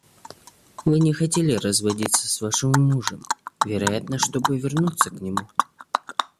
Вы не хотели разводиться с вашим мужем, вероятно, чтобы вернуться к нему.